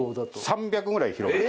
３００ぐらい広がる。